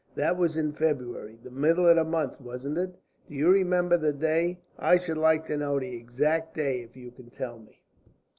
"That was in February. The middle of the month, wasn't it? Do you remember the day? I should like to know the exact day if you can tell me."